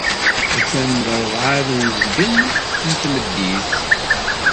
Attan d rrabɛa d uzgen n tmeddit.